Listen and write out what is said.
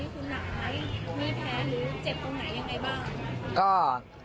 มีแผลหรือเจ็บตรงไหนยังไงบ้าง